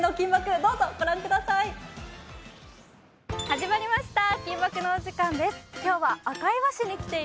どうぞご覧ください。